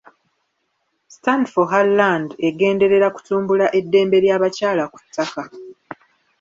‘Stand for Her Land’ egenderera kutumbula eddembe ly’abakyala ku ttaka.